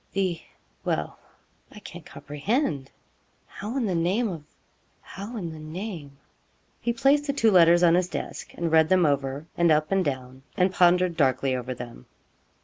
the Well I can't comprehend how in the name of how in the name ' He placed the two letters on his desk, and read them over, and up and down, and pondered darkly over them.